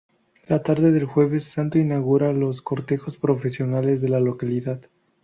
La tarde del Jueves Santo inaugura los cortejos procesionales de la localidad.